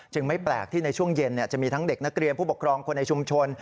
ไม่แปลกที่ในช่วงเย็นจะมีทั้งเด็กนักเรียนผู้ปกครองคนในชุมชน